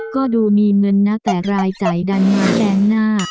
ก็ดูมีเงินนะแต่รายจ่ายดันมาแปลงหน้า